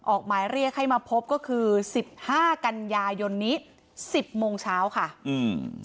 ออกหมายเรียกให้มาพบก็คือสิบห้ากันยายนนี้สิบโมงเช้าค่ะอืม